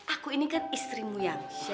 aku ini kan istrimu yang